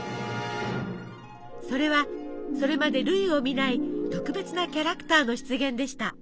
それはそれまで類を見ない特別なキャラクターの出現でした。